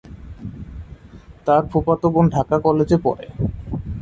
তার ফুফাতো বোন ঢাকা কলেজে পড়ে।